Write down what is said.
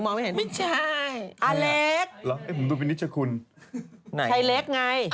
ไม่ใช่อเล็ก